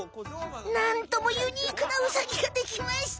なんともユニークなウサギができました！